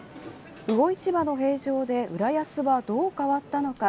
魚市場の閉場で浦安はどう変わったのか。